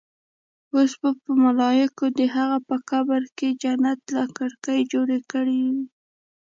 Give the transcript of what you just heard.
اوس به ملايکو د هغه په قبر کې جنت له کړکۍ جوړ کړې وي.